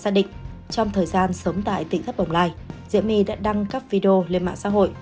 giả định trong thời gian sống tại tỉnh thất bồng lai diêm my đã đăng các video lên mạng xã hội